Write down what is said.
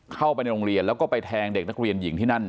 เข้าไปในโรงเรียนแล้วก็ไปแทงเด็กนักเรียนหญิงที่นั่น